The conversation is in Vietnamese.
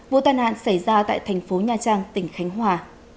vụ tai nạn xảy ra tại thành phố nha trang tỉnh khánh hòa